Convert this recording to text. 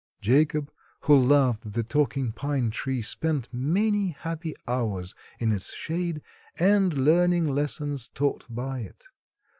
Jacob, who loved the talking pine tree, spent many happy hours in its shade and learning lessons taught by it.